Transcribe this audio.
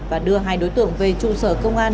và đưa hai đối tượng về trụ sở công an